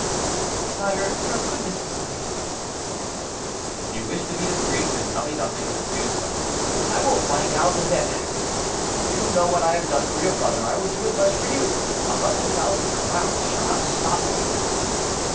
"Sire, your goodness is great." "If you wish to be discreet, and tell me nothing, do so; I will find out, and then act. You know what I have done for your brother, I will do as much for you; a hundred thousand crowns shall not stop me."